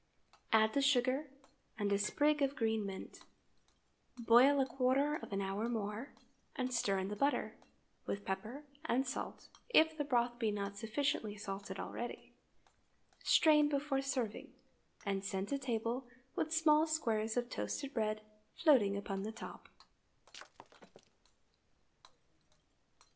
Add the sugar, and a sprig of green mint. Boil a quarter of an hour more, and stir in the butter, with pepper and salt, if the broth be not sufficiently salted already. Strain before serving, and send to table with small squares of toasted bread floating upon the top.